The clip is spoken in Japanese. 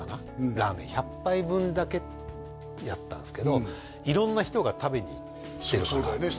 ラーメン１００杯分だけやったんですけど色んな人が食べに行ってるからそりゃそうだよね